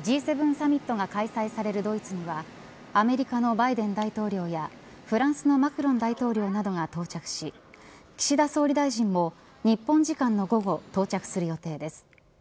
Ｇ７サミットが開催されるドイツにはアメリカのバイデン大統領やフランスのマクロン大統領などが到着し岸田総理大臣も日本時間の午後到着する予定です。